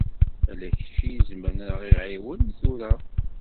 Ala kečč i izemren ad aɣ-iɛawen tura.